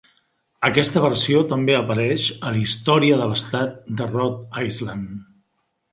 Aquesta versió també apareix a l'"Història de l'Estat de Rhode Island".